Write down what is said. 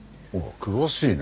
詳しいね。